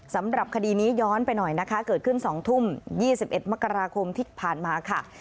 สำหรับคดีนี้ย้อนไปหน่อยนะคะเกิดขึ้น๒ทุ่ม๒๑มกราคมที่ผ่านมาค่ะ